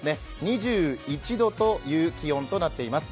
２１度という気温となっています。